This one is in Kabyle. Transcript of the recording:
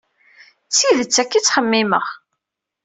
D tidet, akka i ttxemmimeɣ.